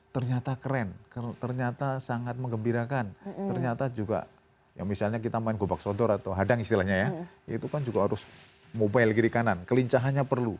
ternyata keren ternyata sangat mengembirakan ternyata juga ya misalnya kita main gobak sodor atau hadang istilahnya ya itu kan juga harus mobile kiri kanan kelincahannya perlu